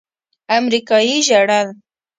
امريکايي ژړل.